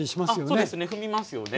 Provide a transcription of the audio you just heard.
あっそうですね踏みますよね。